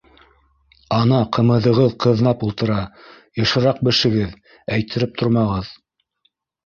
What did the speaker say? — Ана, ҡымыҙығыҙ ҡыҙнап ултыра, йышыраҡ бешегеҙ, әйттереп тормағыҙ!